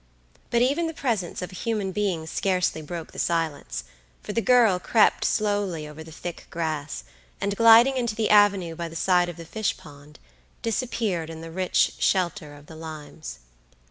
But even the presence of a human being scarcely broke the silence; for the girl crept slowly over the thick grass, and gliding into the avenue by the side of the fish pond, disappeared in the rich shelter of the limes.